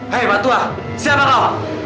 hei bantuan siapa kau